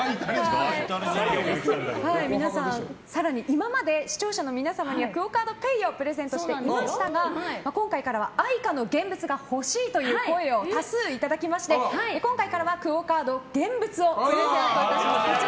更に今まで視聴者の皆様にはＱＵＯカードＰａｙをプレゼントしてきましたが今回からはＡｉｃａの現物が欲しいという声を多数いただきまして今回からはＱＵＯカード現物をプレゼントいたします！